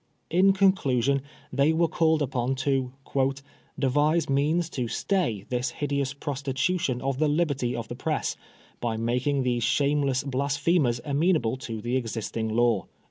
In conclusion, they were called upon to " devise means to stay this hideous prostitution of the liberty of the Press, by making these shameless blasphemers amenable to the existing law."